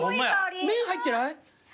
麺入ってない？